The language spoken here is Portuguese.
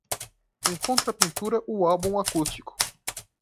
Encontre a pintura O álbum acústico